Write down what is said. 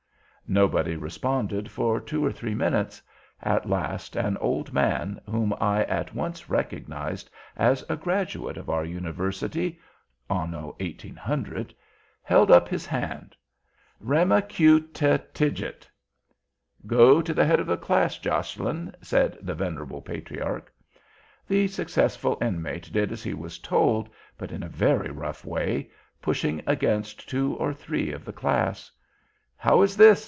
Nobody responded for two or three minutes. At last one old man, whom I at once recognized as a Graduate of our University (Anno 1800) held up his hand. "Rem a cue tetigit." "Go to the head of the class, Josselyn," said the venerable patriarch. The successful Inmate did as he was told, but in a very rough way, pushing against two or three of the Class. "How is this?"